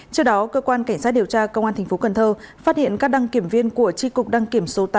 trước đó cơ quan cảnh sát điều tra công an tp cnh phát hiện các đăng kiểm viên của tri cục đăng kiểm số tám